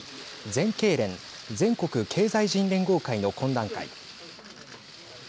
全経連＝全国経済人連合会の懇談会。